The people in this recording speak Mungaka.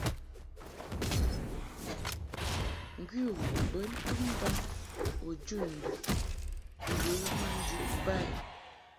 Ŋgwi u bə ntum baŋ u jun nduʼ ŋgə ma njuʼ ba i.